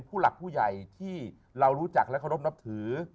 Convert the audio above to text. ผู้ใหญ่ที่เรารู้จักและขนมนับถือ